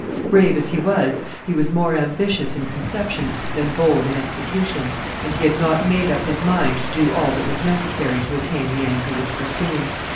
Brave as he was, he was more ambitious in conception than bold in execution, and he had not made up his mind to do all that was necessary to attain the end he was pursuing.